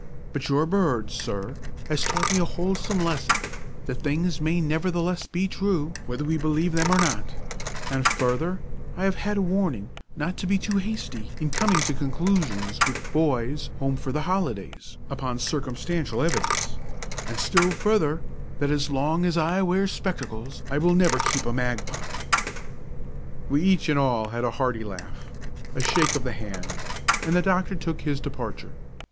But your bird, sir, has taught me a wholesome lesson, that things may nevertheless be true, whether we believe them or not; and, further, I have had a warning not to be too hasty in coming to conclusions with boys home for the holidays upon circumstantial evidence; and still further, that as long as I wear spectacles I will never keep a magpie." We each and all had a hearty laugh, a shake of the hand, and the doctor took his departure.